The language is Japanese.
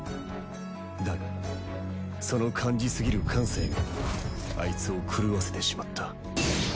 だがその感じすぎる感性がアイツを狂わせてしまった。